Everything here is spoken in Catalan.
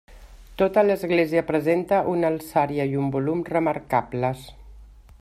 Tota l'església presenta una alçària i un volum remarcables.